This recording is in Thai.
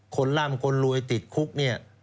ร่ำคนรวยติดคุกเนี่ย